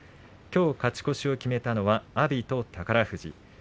きょう勝ち越しを決めたのは阿炎と宝富士。